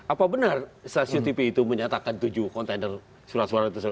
apa benar stasiun tv itu menyatakan tujuh kontainer surat suara tersebut